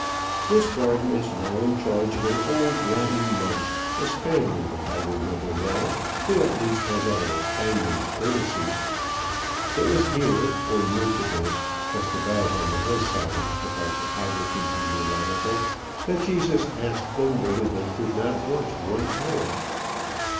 This garden is now in charge of an old Latin monk a Spaniard, if I remember well who, at least, has all a Spaniard's courtesy. It was here, or near to this, just above, on the hill side, if our topography be reliable, that Jesus asked them whether they could not watch one hour.